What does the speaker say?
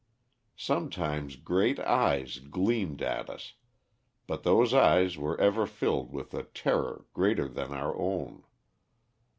Sometimes great eyes gleamed at us, but those eyes were ever filled with a terror greater than our own.